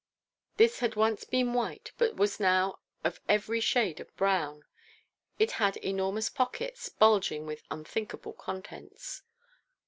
This had once been white, but was now of every shade of brown. It had enormous pockets, bulging with unthinkable contents.